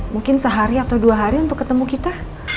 mungkin sehari atau dua hari untuk ketemu kita